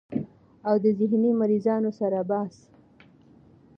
او د ذهني مريضانو سره بحث